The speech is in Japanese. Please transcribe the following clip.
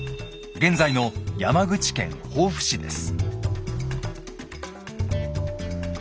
現在の山口県防府市です。